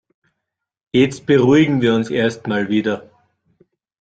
Jetzt beruhigen wir uns erst mal wieder.